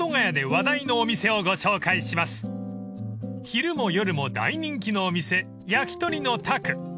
［昼も夜も大人気のお店やきとりの拓］